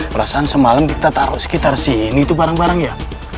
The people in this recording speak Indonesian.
perasaan semalam kita taruh sekitar sini tuh barang barang ya